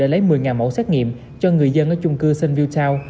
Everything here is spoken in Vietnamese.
để lấy một mươi mẫu xét nghiệm cho người dân ở chung cư st ville town